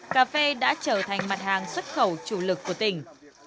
cà phê đã trở thành mặt hàng xuất khẩu chủ lực của tỉnh